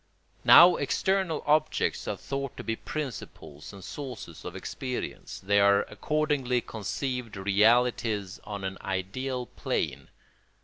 Now external objects are thought to be principles and sources of experience; they are accordingly conceived realities on an ideal plane.